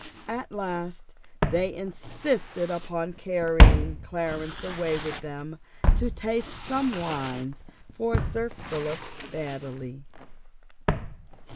At last they insisted upon carrying Clarence away with them to taste some wines for Sir Philip Baddely.